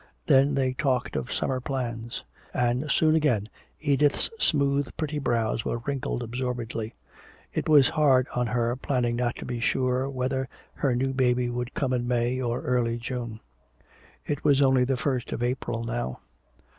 Then they talked of summer plans. And soon again Edith's smooth pretty brows were wrinkling absorbedly. It was hard in her planning not to be sure whether her new baby would come in May or early June. It was only the first of April now.